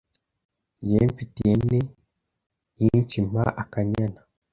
jyewe mfite ihene nyinshimpa akanyama